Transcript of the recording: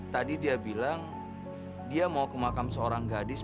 tadi dia bilang dia mau ke makam seorang gadis